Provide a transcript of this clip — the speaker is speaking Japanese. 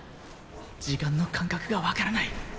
時間の感覚が分からない